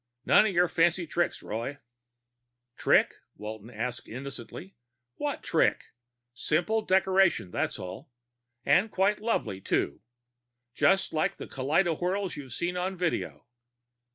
"None of your fancy tricks, Roy!" "Trick?" Walton asked innocently. "What trick? Simple decoration, that's all and quite lovely, too. Just like the kaleidowhirls you've seen on video."